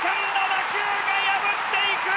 打球が破っていく！